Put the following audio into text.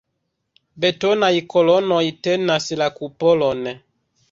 Betonaj kolonoj tenas la kupolon.